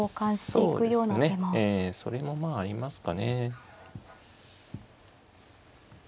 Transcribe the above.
それもまあありますかね。